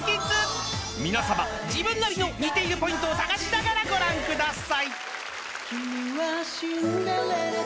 ［皆さま自分なりの似ているポイントを探しながらご覧ください］